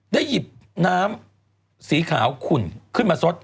หยิบน้ำสีขาวขุ่นขึ้นมาสด